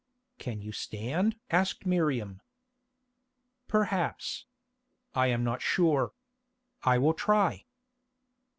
"Can you stand?" asked Miriam. "Perhaps. I am not sure. I will try."